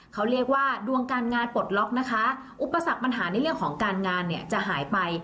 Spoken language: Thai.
เขาเรียกว่าดวงการงานปลดล็อกนะคะอุปสรรคปัญหาในเรื่องของการงานเนี่ยจะหายไป